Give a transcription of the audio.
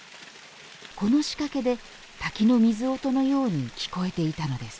この仕掛けで滝の水音のように聞こえていたのです。